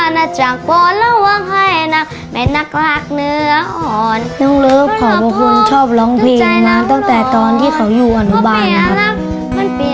น้องเลิฟเขาบางคนชอบร้องเพลงมาตั้งแต่ตอนที่เขาอยู่อนุบันนะครับ